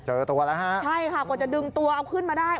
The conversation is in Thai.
เจอตัวแล้วฮะใช่ค่ะกว่าจะดึงตัวเอาขึ้นมาได้